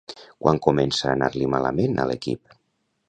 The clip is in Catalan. Quan comença a anar-li malament a l'equip?